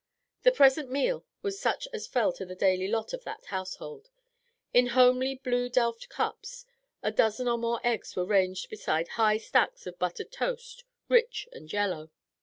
The present meal was such as fell to the daily lot of that household. In homely blue delft cups a dozen or more eggs were ranged beside high stacks of buttered toast, rich and yellow.